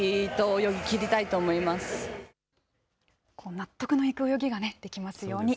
納得のいく泳ぎができますように。